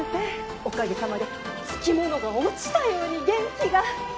おかげさまでつき物が落ちたように元気が。